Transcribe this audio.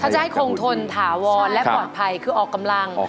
จะให้คงทนถาวรและปลอดภัยคือออกกำลัง